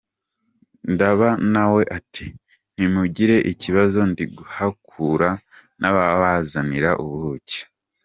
Ndaba na we ati : “Ntimugire ikibazo ndi guhakura ndabazanira ubuki”.